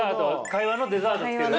会話のデザートつける？